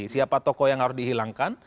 siapa tokoh yang harus dihilangkan